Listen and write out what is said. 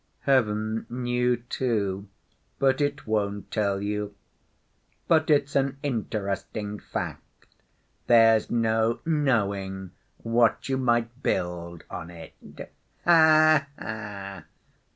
Heaven knew, too, but it won't tell you. But it's an interesting fact. There's no knowing what you might build on it. Ha ha!